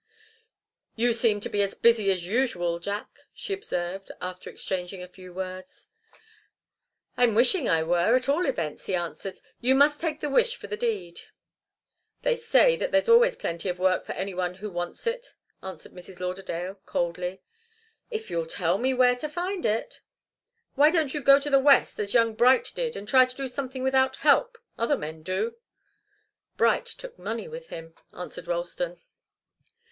"You seem to be as busy as usual, Jack," she observed, after exchanging a few words. "I'm wishing I were, at all events," he answered. "You must take the wish for the deed." "They say that there's always plenty of work for any one who wants it," answered Mrs. Lauderdale, coldly. "If you'll tell me where to find it " "Why don't you go to the West, as young Bright did, and try to do something without help? Other men do." "Bright took money with him," answered Ralston.